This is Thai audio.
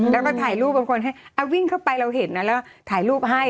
แล้วก็ถ่ายลูบบนคนให้วิ่งเข้าไปเราเห็นแล้วถ่ายลูกให้